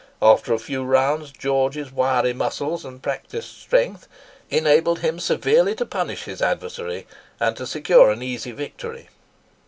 After a few rounds, George's wiry muscles and practised strength enabled him severely to punish his adversary, and to secure an easy victory.